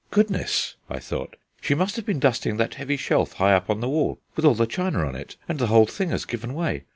"Goodness!" I thought, "she must have been dusting that heavy shelf high up on the wall with all the china on it, and the whole thing has given way.